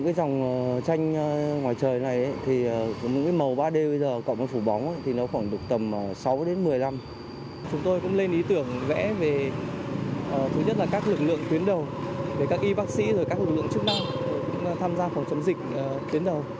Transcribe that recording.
về các y bác sĩ và các lực lượng chức năng tham gia phòng chống dịch tuyến đầu